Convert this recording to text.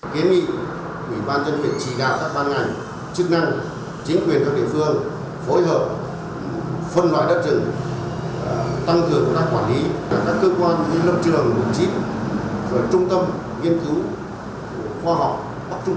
kế nị ủy ban nhân dân chỉ đạt các ban ngành chức năng chính quyền các địa phương